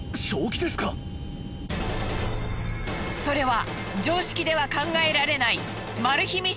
それは常識では考えられないマル秘